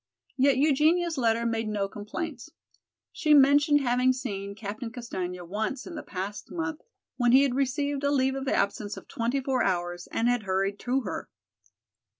Yet Eugenia's letter made no complaints. She mentioned having seen Captain Castaigne once in the past month, when he had received a leave of absence of twenty four hours and had hurried to her.